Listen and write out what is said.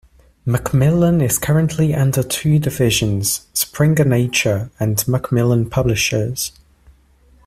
Macmillan is currently under two divisions - Springer Nature and Macmillan Publishers.